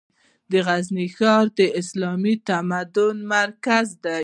د غزني ښار د اسلامي تمدن مرکز و.